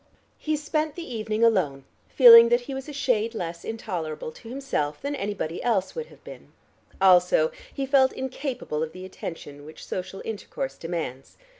He spent the evening alone, feeling that he was a shade less intolerable to himself than anybody else would have been; also, he felt incapable of the attention which social intercourse demands.